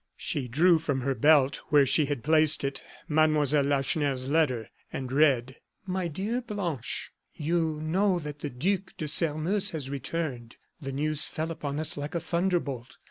She drew from her belt where she had placed it, Mlle. Lacheneur's letter and read: "'My dear blanche You know that the Duc de Sairmeuse has returned. The news fell upon us like a thunder bolt.